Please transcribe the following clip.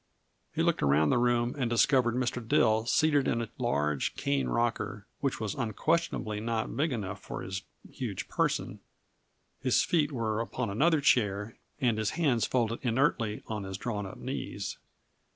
He looked around the room and discovered Mr. Dill seated in a large, cane rocker which was unquestionably not big enough for his huge person his feet upon another chair and his hands folded inertly on his drawn up knees.